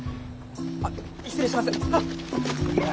あっ失礼します！